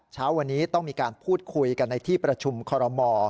เช้าวันนี้ต้องมีการพูดคุยกันในที่ประชุมคอรมอ